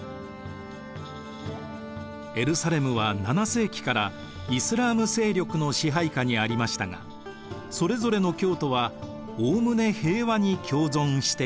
エルサレムは７世紀からイスラーム勢力の支配下にありましたがそれぞれの教徒はおおむね平和に共存していました。